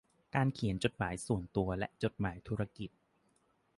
การเขียนจดหมายส่วนตัวและจดหมายธุรกิจ